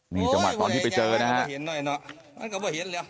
นี่จังหลักตอนที่ไปเจอนะครับ